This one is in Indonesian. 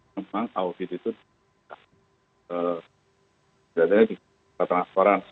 memang audit itu tidak ada transparansi